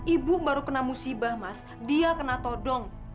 ibu baru kena musibah mas dia kena todong